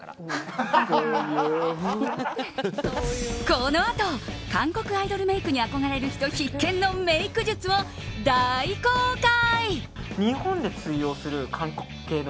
このあと韓国アイドルメイクに憧れる人必見のメイク術を大公開！